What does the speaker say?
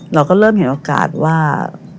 เราก็เริ่มเห็นโอกาสว่า